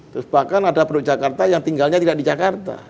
terus bahkan ada penduduk jakarta yang tinggalnya tidak di jakarta